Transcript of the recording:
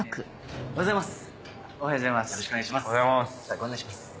おはようございます。